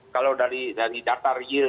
kalau dari data real